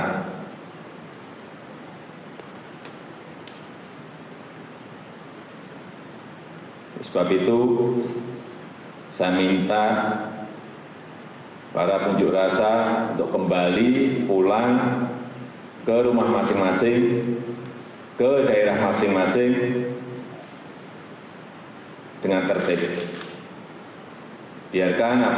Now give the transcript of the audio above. oleh sebab itu saya minta para penjurasa untuk kembali ke tempat yang telah ditemukan